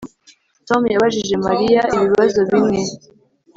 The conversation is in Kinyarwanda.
Tom yabajije Mariya ibibazo bimwe